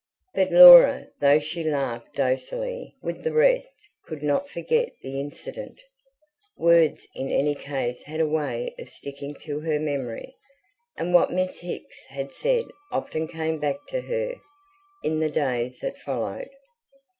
But Laura, though she laughed docilely with the rest, could not forget the incident words in any case had a way of sticking to her memory and what Miss Hicks had said often came back to her, in the days that followed.